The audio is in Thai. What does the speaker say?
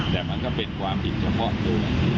แต่มันก็เป็นความผิดเฉพาะตัว